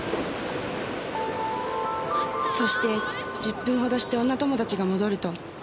そして１０分ほどして女友達が戻ると。